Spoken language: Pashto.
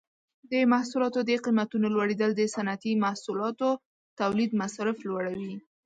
د محصولاتو د قیمتونو لوړیدل د صنعتي محصولاتو تولید مصارف لوړوي.